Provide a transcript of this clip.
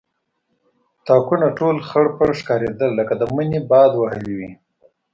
تاکونه ټول خړپړ ښکارېدل لکه د مني باد وهلي وي.